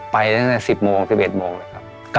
ไปตั้งแต่๑๐โมง๑๑โมงเลยครับ